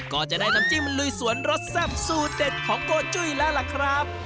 ก็จะได้น้ำจิ้มลุยสวนรสแซ่บสูตรเด็ดของโกจุ้ยแล้วล่ะครับ